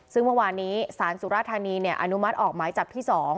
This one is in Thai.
ซึ่งเมื่อวานนี้สารสุรธานีอนุมัติออกหมายจับที่๒